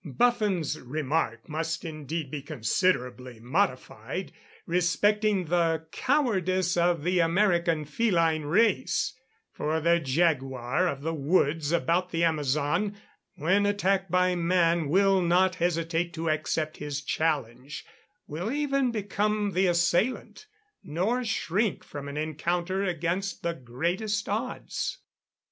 Buffon's remark must indeed be considerably modified, respecting the cowardice of the American feline race; for the jaguar of the woods about the Amazon, when attacked by man, will not hesitate to accept his challenge, will even become the assailant, nor shrink from an encounter against the greatest odds.